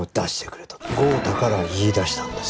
豪太から言い出したんだよ。